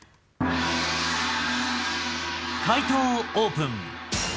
解答をオープン。